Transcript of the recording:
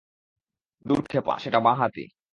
দূর খেপা, সেটা বাঁ-হাতি।